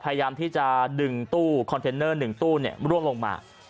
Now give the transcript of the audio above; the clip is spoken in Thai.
พยายามที่จะดึงตู้คอนเทนเนอร์๑ตู้ร่วงลงมา